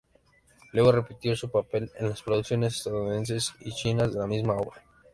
Luego, repitió su papel en las producciones estadounidenses y chinas de la misma obra.